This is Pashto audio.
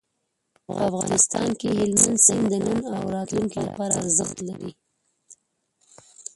په افغانستان کې هلمند سیند د نن او راتلونکي لپاره ارزښت لري.